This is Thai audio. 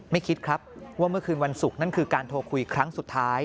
คิดครับว่าเมื่อคืนวันศุกร์นั่นคือการโทรคุยครั้งสุดท้าย